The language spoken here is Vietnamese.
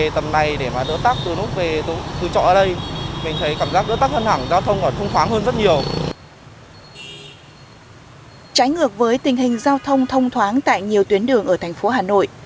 trái ngược với tình hình giao thông thông thoáng tại nhiều tuyến đường ở thành phố hà nội